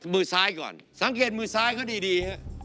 มือซ้ายก่อนสังเกตมือซ้ายเขาดีฮะ